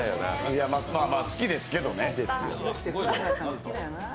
まあまあ、好きですけどね。